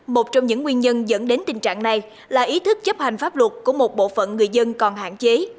một trong những nguyên nhân dẫn đến tình trạng này là ý thức chấp hành pháp luật của một bộ phận người dân còn hạn chế